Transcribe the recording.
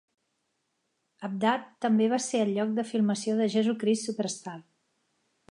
Avdat també va ser el lloc de filmació de "Jesucrist Superstar".